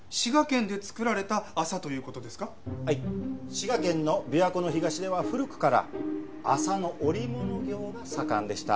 滋賀県の琵琶湖の東では古くから麻の織物業が盛んでした。